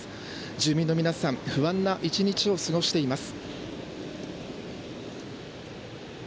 住民の皆さん、不安な１日を過ごしています。